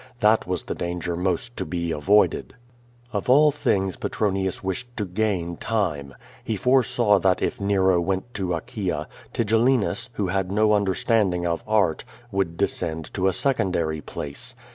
That was the danger most to be avoided. Of all things Petronius wished to gain time. He foresaw that if Nero went to Achaia, Tigellinus, who had no under standing of art, would descend to a secondary place.